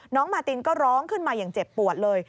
มาตินก็ร้องขึ้นมาอย่างเจ็บปวดเลย